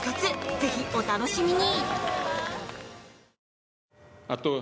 ぜひお楽しみに！